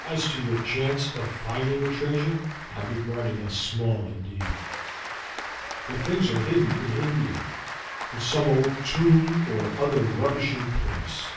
As to your chance of finding the treasure, I regard it as small indeed. The things are hidden in India, in some old tomb, or other rubbishing place.